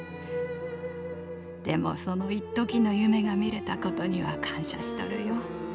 でもその一時の夢が見れた事には感謝しとるよ。